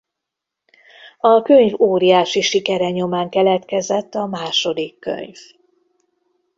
A könyv óriási sikere nyomán keletkezett a második könyv.